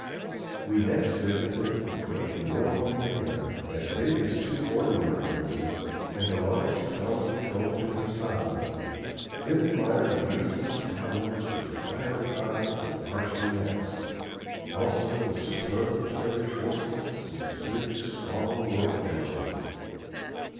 We next visited a great Norman mare, as big as two ordinary horses, and the large, clumsy colt at her side; then admired beautiful stallions with fiery eyes and arching necks; also the superb carriage horses, and the sleek, strong work animals.